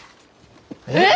えっ！？